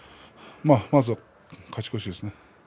まずは勝ち越しです。